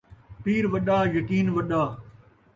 پیر وݙا، یقین وݙا